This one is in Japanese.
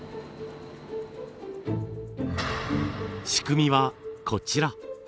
仕組みはこちら。